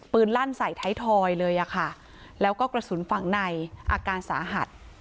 ลั่นใส่ท้ายทอยเลยอะค่ะแล้วก็กระสุนฝั่งในอาการสาหัส